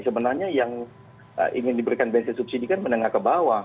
sebenarnya yang ingin diberikan bensin subsidi kan menengah ke bawah